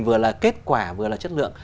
vừa là kết quả vừa là chất lượng